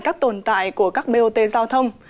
các tồn tại của các bot giao thông